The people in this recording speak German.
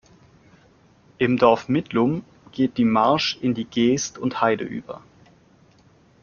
Im Dorf Midlum geht die Marsch in die Geest und Heide über.